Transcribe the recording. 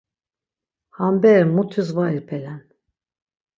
Ham bere mutis var ipelen.